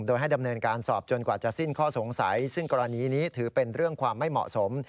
โดยให้ดำเนินการสอบจนกว่าจะสิ้นข้อสงสัยซึ่งกรณีนี้ถือเป็นเรื่องความไม่เหมาะสม